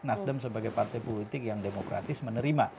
nasdem sebagai partai politik yang demokratis menerima